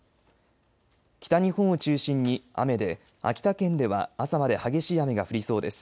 北日本を中心に雨で秋田県では朝まで激しい雨が降りそうです。